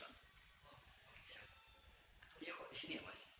ya kok di sini ya mas